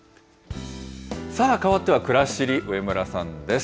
さあ、変わってはくらしり、上村さんです。